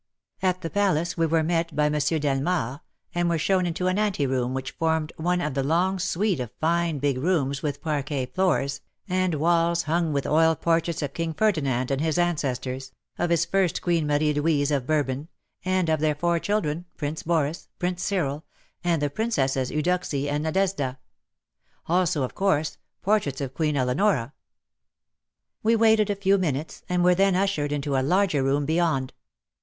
At the Palace we were met by Mons. Delmard, and were shown into an ante room which formed one of a long suite of fine big rooms with parquet floors, and walls hung with oil portraits of King Ferdinand and his ancestors, of his first Queen Marie Louise of Bourbon and of their four children. Prince Boris, Prince Cyril, and the Princesses Eudoxie and Nadezda. Also, of course, portraits of Queen Eleonora We waited a few minutes and were then ushered into a larger room beyond.